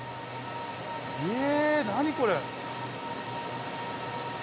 え何これ。